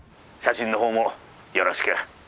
写真のほうもよろしく。